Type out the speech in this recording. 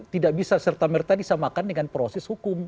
tidak bisa serta merta disamakan dengan proses hukum